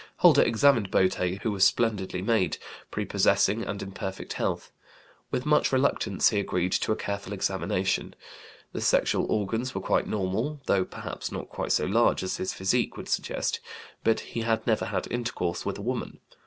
Holder examined boté who was splendidly made, prepossessing, and in perfect health. With much reluctance he agreed to a careful examination. The sexual organs were quite normal, though perhaps not quite so large as his physique would suggest, but he had never had intercourse with a woman.